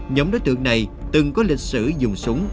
nhóm đối tượng này từng có lịch sử dùng súng